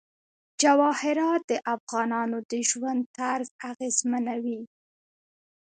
جواهرات د افغانانو د ژوند طرز اغېزمنوي.